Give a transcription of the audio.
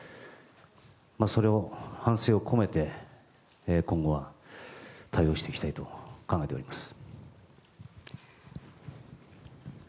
それを反省を込めて今後は対応していきたいと考えております。